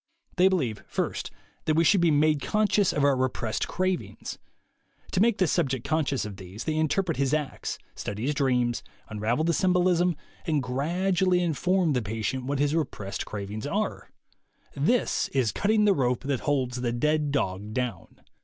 They believe, first, that we should be made conscious of our repressed cravings. To make the subject conscious of these, they interpret his acts, study his dreams, unravel the symbolism, and THE WAY TO WILL POWER 95 gradually inform the patient what his repressed cravings are. This is cutting the rope that holds the dead dog down.